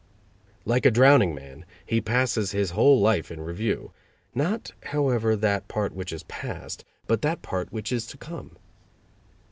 Like a drowning man, he passes his whole life in review not, however, that part which is past, but that part which is to come.